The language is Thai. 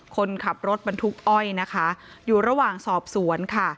คนขับรถบรรทุกอ้อยนะคะอยู่ระหว่างสอบสวนค่ะ